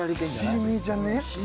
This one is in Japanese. シーミーじゃね？